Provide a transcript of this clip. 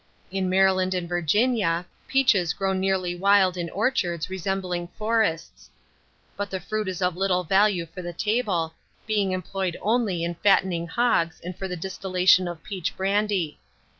In Maryland and Virginia, peaches grow nearly wild in orchards resembling forests; but the fruit is of little value for the table, being employed only in fattening hogs and for the distillation of peach brandy.